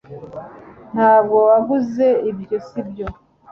ntabwo waguze ibyo, sibyo